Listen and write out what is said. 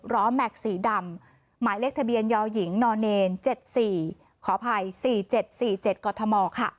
ร้อแม็กซ์สีดำหมายเลขทะเบียนยอหญิงนเนร๗๔๔๗๔๗กม